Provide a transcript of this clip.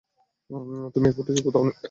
তুমি এই ফুটেজের কোথাও নেই।